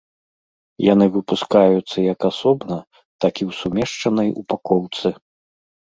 Яны выпускаюцца як асобна, так і ў сумешчанай упакоўцы.